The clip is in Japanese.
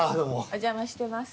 お邪魔してます。